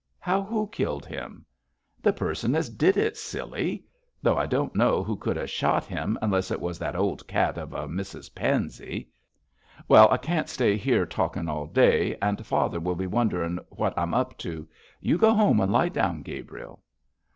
'How who killed him?' 'The person as did it, silly. Though I don't know who could have shot him unless it was that old cat of a Mrs Pansey. Well, I can't stay here talking all day, and father will be wondering what I'm up to. You go home and lie down, Gabriel.'